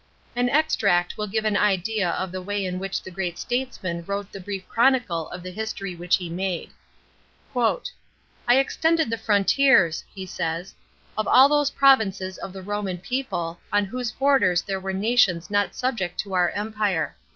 Au extract will give an idea of the way in which the great statesman wrote the brief chronicle of the history which he made. " I extended the frontiers," he says, " of all those provinces of the Roman people, on whose borders there were nations not subject to our empire.